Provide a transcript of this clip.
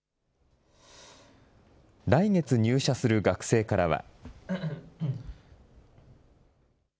来月入社する学生からは。